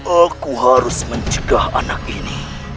aku harus mencegah anak ini